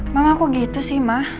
mama kok gitu sih ma